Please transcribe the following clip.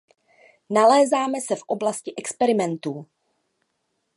Nalézáme se v oblasti experimentů.